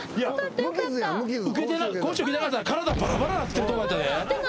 講習受けてなかったら体バラバラなってるとこやったで。